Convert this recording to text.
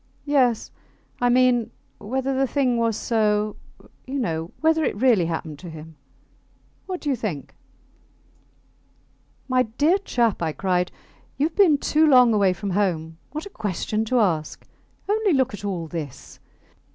Yes ... I mean, whether the thing was so, you know ... whether it really happened to him. ... What do you think? My dear chap, I cried, you have been too long away from home. What a question to ask! Only look at all this.